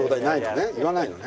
言わないのね？